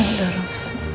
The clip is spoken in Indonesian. ya udah ros